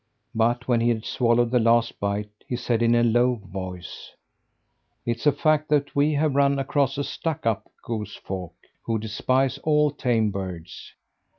But when he had swallowed the last bite, he said in a low voice: "It's a fact that we have run across a stuck up goose folk who despise all tame birds."